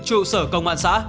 trụ sở công an xã